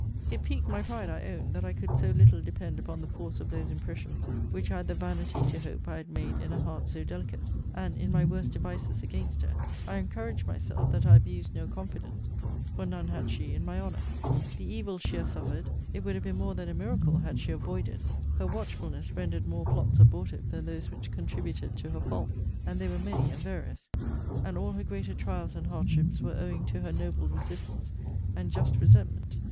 'It piqued my pride, I own, that I could so little depend upon the force of those impressions which I had the vanity to hope I had made in a heart so delicate; and, in my worst devices against her, I encouraged myself that I abused no confidence; for none had she in my honour. 'The evils she has suffered, it would have been more than a miracle had she avoided. Her watchfulness rendered more plots abortive than those which contributed to her fall; and they were many and various. And all her greater trials and hardships were owing to her noble resistance and just resentment.